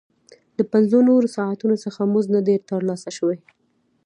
له پنځه نورو ساعتونو څخه مزد نه دی ترلاسه شوی